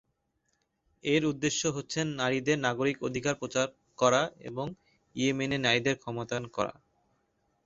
এর উদ্দেশ্য হচ্ছে নারীদের নাগরিক অধিকার প্রচার করা এবং ইয়েমেনে নারীদের ক্ষমতায়ন করা।